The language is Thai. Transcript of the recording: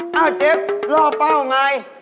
เจ๊ล่อเป้าไง